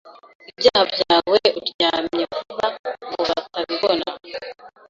ibyaha byawe uryamye vuba ngobatabibona